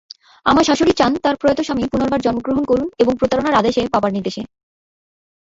আমার শাশুড়ি চান তার প্রয়াত স্বামী পুনর্বার জন্মগ্রহণ করুন এবং প্রতারণার আদেশে বাবার নির্দেশে।